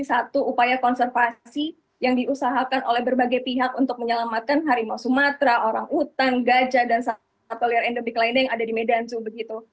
satu upaya konservasi yang diusahakan oleh berbagai pihak untuk menyelamatkan harimau sumatera orang utan gajah dan endemik lainnya yang ada di medan zoo begitu